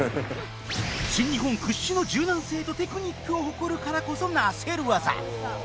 新日本屈指の柔軟性とテクニックを誇るからこそなせる技